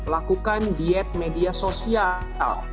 lakukan diet media sosial